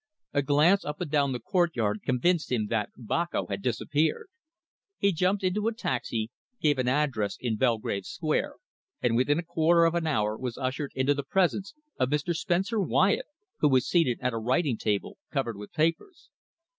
A glance up and down the courtyard convinced him that Boko had disappeared. He jumped into a taxi, gave an address in Belgrave Square, and within a quarter of an hour was ushered into the presence of Mr. Spencer Wyatt, who was seated at a writing table covered with papers.